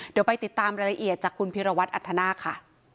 เดี๋ยวไปติดตามรายละเอียดจากคุณพิรวัตรอัธนาคค่ะ